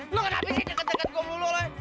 lo kenapa ini deket deket gue mulu lo